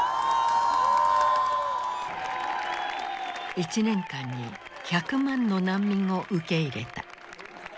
１年間に１００万の難民を受け入れた。